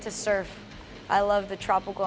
saya suka pulau tropikal